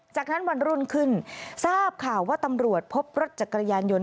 จากนั้นวันรุ่นขึ้นทราบข่าวว่าตำรวจพบรถจักรยานยนต